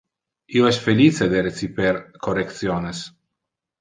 Io es felice de reciper correctiones.